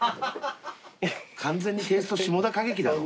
完全にテイスト志茂田景樹だろ。